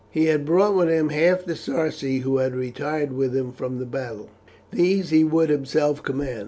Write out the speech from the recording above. He had brought with him half the Sarci who had retired with him from the battle. These he would himself command.